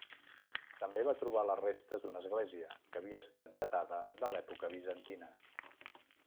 També va trobar les restes d'una església, que havia estat datada de l'època bizantina.